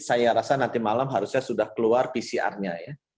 saya rasa nanti malam harusnya sudah keluar pcr nya ya